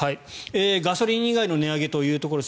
ガソリン以外の値上げというところです。